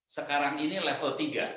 sekarang ini level tiga